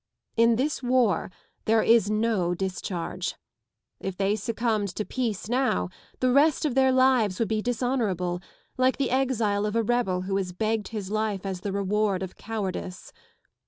In this war there is no discharge. II they succumbed to peace now, the rest of their lives would be dishonourable, like the exile of a rebel who has begged his life as the reward of cowardice.